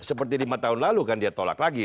seperti lima tahun lalu kan dia tolak lagi